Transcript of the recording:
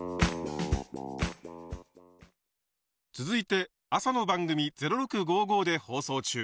続いて朝の番組「０６５５」で放送中！